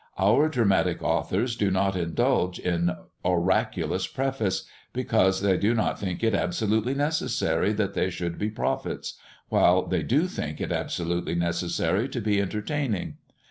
Our dramatic authors do not indulge in oraculous preface, because they do not think it absolutely necessary that they should be prophets, while they do think it absolutely necessary to be entertaining.